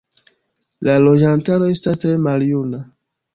La loĝantaro estas tre maljuna.